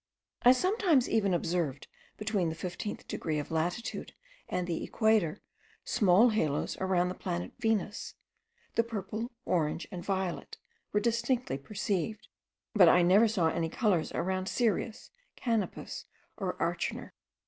I sometimes even observed, between the fifteenth degree of latitude and the equator, small halos around the planet Venus; the purple, orange, and violet, were distinctly perceived: but I never saw any colours around Sirius, Canopus, or Acherner.